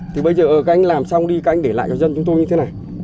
thì bây giờ các anh làm xong đi các anh để lại cho dân chúng tôi như thế này